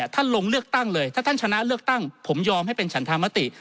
ท่านลงเลือกตั้งเลยถ้าท่านชนะเลือกตั้งผมยอมให้เป็นฉันธรรมติ